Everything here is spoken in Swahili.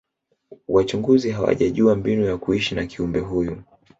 wachunguzi hawajajua mbinu ya kuishi na kiumbe huyu